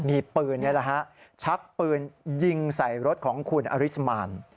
มีปืนชักปืนยิงใส่รถของคุณอริสมาน